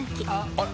あっ。